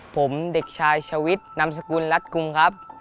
ผมเด็กชายชวิตนามสกุลรัฐกรุงครับ